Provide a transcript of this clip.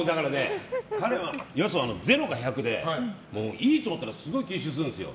やすはゼロか１００でいいと思ったらすごい吸収するんですよ。